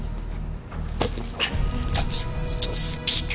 俺たちを脅す気か！